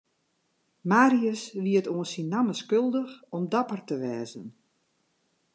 Marius wie it oan syn namme skuldich om dapper te wêze.